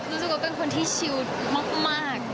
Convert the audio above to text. รู้สึกว่าเป็นคนที่ชิลมาก